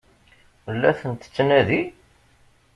La ten-tettnadi?